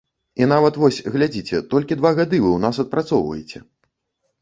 І нават вось, глядзіце, толькі два гады вы ў нас адпрацоўваеце.